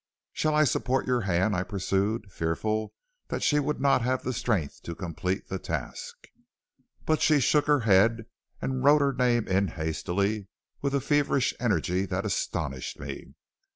"'Shall I support your hand?' I pursued, fearful she would not have the strength to complete the task. "But she shook her head and wrote her name in hastily, with a feverish energy that astonished me.